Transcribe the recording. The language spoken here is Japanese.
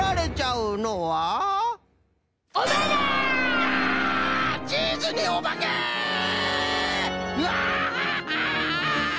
うわ！